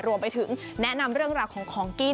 รวมไปถึงแนะนำเรื่องราวของของกิน